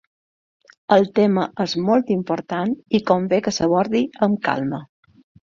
El tema és molt important i convé que s’aborde amb calma.